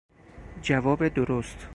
جواب درست